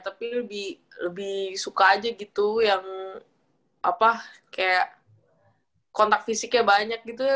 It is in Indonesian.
tapi lebih suka aja gitu yang kayak kontak fisiknya banyak gitu ya